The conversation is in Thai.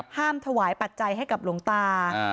ถวายปัจจัยให้กับหลวงตา